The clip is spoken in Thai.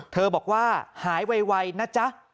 บอกว่าหายไวนะจ๊ะ